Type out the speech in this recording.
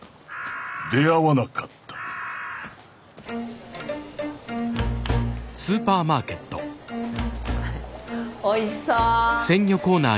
出会わなかったおいしそう。